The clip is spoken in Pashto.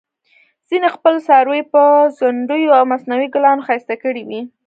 ځینې خپل څاروي په ځونډیو او مصنوعي ګلانو ښایسته کړي وي.